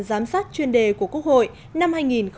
giám sát chuyên đề của quốc hội năm hai nghìn hai mươi